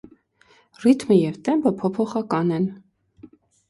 Ռիթմը և տեմպը փոփոխական են։